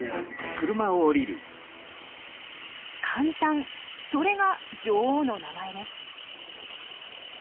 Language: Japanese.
カンタンそれが女王の名前です。